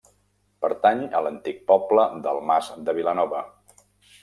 Pertany a l'antic poble del Mas de Vilanova.